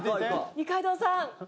二階堂さん。